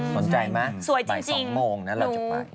สนใจไหมบ่าย๒โมงนะเราจะไปสวยจริง